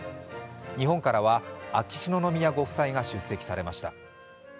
日本から秋篠宮ご夫妻が出席されました。